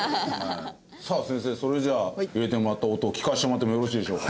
さあ先生それじゃあ入れてもらった音を聴かせてもらってもよろしいでしょうか？